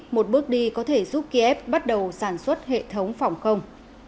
một bước đi có thể giúp kiev bắt đầu sản xuất hệ thống phòng không